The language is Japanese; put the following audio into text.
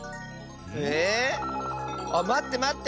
えっ？あっまってまって！